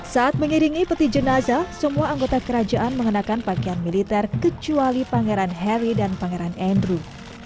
saat mengiringi peti jenazah semua anggota kerajaan mengenakan pakaian militer kecuali pangeran harry dan pangeran andrew